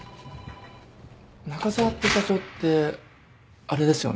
中澤って社長ってあれですよね？